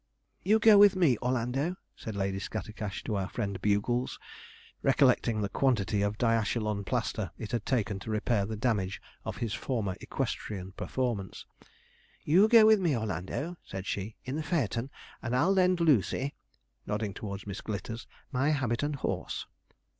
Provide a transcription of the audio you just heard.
'You go with me, Orlando,' said Lady Scattercash to our friend Bugles, recollecting the quantity of diachylon plaster it had taken to repair the damage of his former equestrian performance. 'You go with me, Orlando,' said she, 'in the phaeton; and I'll lend Lucy,' nodding towards Miss Glitters, 'my habit and horse.'